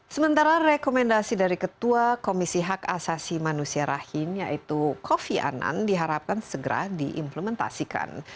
sementara rekomendasi dari ketua komisi hak asasi manusia rahim yaitu kofi anan diharapkan segera diimplementasikan